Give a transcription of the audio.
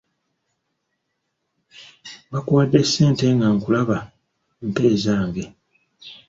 Bakuwadde ssente nga nkulaba mpa ezange.